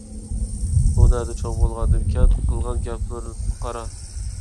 ئۇ نەدە چوڭ بولغان نېمىكەن؟ قىلغان گەپلىرىنى قارا.